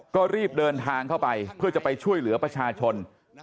ก็รีบเดินทางเข้าไปเพื่อจะไปช่วยเหลือประชาชน